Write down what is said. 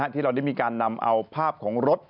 ที่เราได้นำเอาภาพของรถ